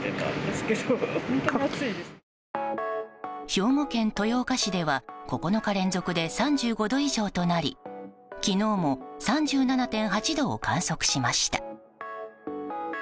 兵庫県豊岡市では９日連続で３５度以上となり昨日も３７．８度を観測しました。